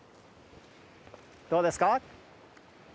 どうですか？